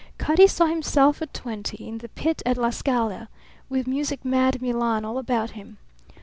Cutty saw himself at twenty, in the pit at La Scala, with music mad Milan all about him.